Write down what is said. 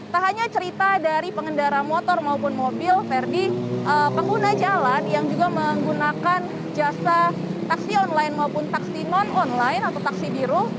tak hanya cerita dari pengendara motor maupun mobil verdi pengguna jalan yang juga menggunakan jasa taksi online maupun taksi non online atau taksi biru